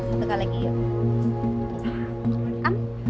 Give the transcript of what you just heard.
satu kali lagi yuk